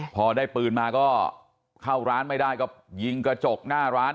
พอได้ปืนมาก็เข้าร้านไม่ได้ก็ยิงกระจกหน้าร้าน